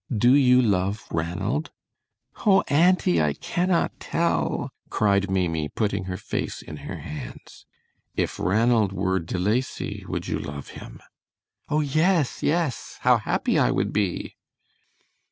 Do you love Ranald?" "Oh, auntie, I cannot tell," cried Maimie, putting her face in her hands. "If Ranald were De Lacy would you love him?" "Oh yes, yes, how happy I would be!"